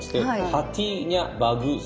「ハティーニャバグース」。